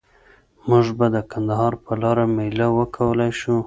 موږ به د کندهار په لاره میله وکولای شو؟